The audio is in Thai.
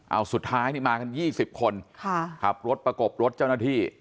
เอาสุดท้ายนี่มากัน๒๐คนขับรถประกบรถเจ้าหน้าที่